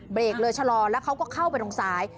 กเลยชะลอแล้วเขาก็เข้าไปตรงซ้าย